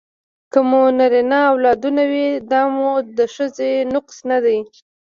که مو نرینه اولاد نه وي دا مو د ښځې نقص نه دی